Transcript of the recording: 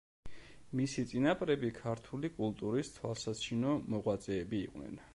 მისი წინაპრები ქართული კულტურის თვალსაჩინო მოღვაწეები იყვნენ.